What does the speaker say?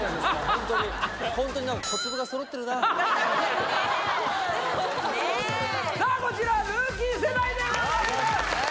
ホントにさあこちらルーキー世代でございます